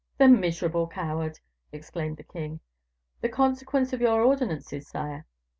"The miserable coward!" exclaimed the king. "The consequence of your ordinances, sire.